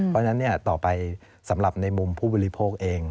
เพราะฉะนั้นต่อไปสำหรับในมุมผู้บริโภคเอง